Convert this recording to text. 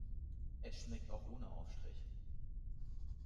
Es schmeckt auch ohne Aufstrich.